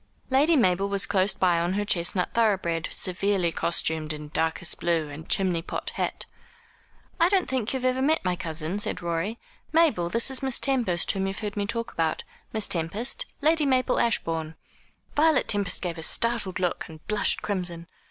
Lady Mabel was close by on her chestnut thoroughbred, severely costumed in darkest blue and chimney pot hat. "I don't think you've ever met my cousin?" said Rorie. "Mabel, this is Miss Tempest, whom you've heard me talk about. Miss Tempest, Lady Mabel Ashbourne." Violet Tempest gave a startled look, and blushed crimson.